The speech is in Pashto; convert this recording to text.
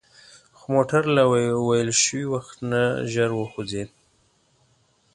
خو موټر له ویل شوي وخت نه ژر وخوځید.